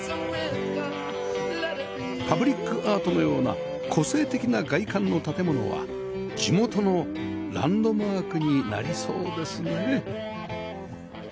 パブリックアートのような個性的な外観の建物は地元のランドマークになりそうですね